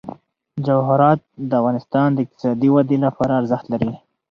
جواهرات د افغانستان د اقتصادي ودې لپاره ارزښت لري.